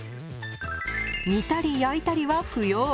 煮たり焼いたりは不要。